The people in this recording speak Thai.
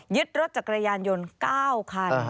รถจักรยานยนต์๙คัน